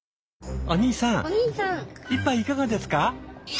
お兄さん１杯いかがですか？